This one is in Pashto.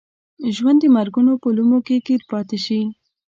ژوند د مرګونو په لومو کې ګیر پاتې شي.